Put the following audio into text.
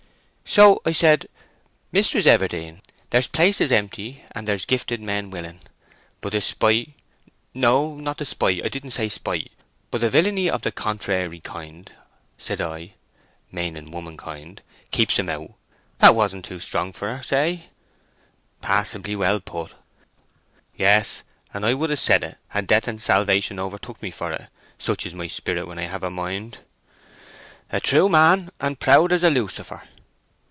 "So I said, 'Mistress Everdene, there's places empty, and there's gifted men willing; but the spite'—no, not the spite—I didn't say spite—'but the villainy of the contrarikind,' I said (meaning womankind), 'keeps 'em out.' That wasn't too strong for her, say?" "Passably well put." "Yes; and I would have said it, had death and salvation overtook me for it. Such is my spirit when I have a mind." "A true man, and proud as a lucifer."